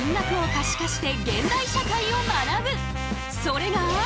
それが。